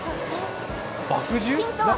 麦汁？